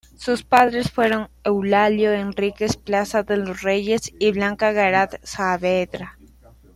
Sus padres fueron Eulalio Henríquez Plaza de los Reyes y Blanca Garat Saavedra.